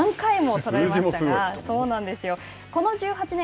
３回も取られましたがそうなんですよ。